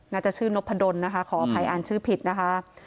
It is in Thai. น่าจะชื่อนพดลนะคะขออภัยอ่านชื่อผิดนะคะ